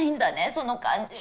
その感じは。